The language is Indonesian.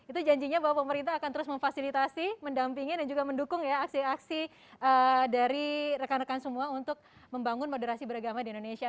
itu janjinya bahwa pemerintah akan terus memfasilitasi mendampingi dan juga mendukung ya aksi aksi dari rekan rekan semua untuk membangun moderasi beragama di indonesia